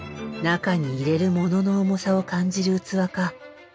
中に入れるモノの重さを感じる器か。